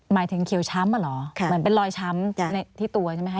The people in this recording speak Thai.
หมายถึงเขียวช้ำอ่ะเหรอเหมือนเป็นรอยช้ำที่ตัวใช่ไหมคะ